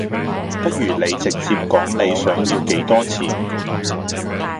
不如你直接講你想要幾多錢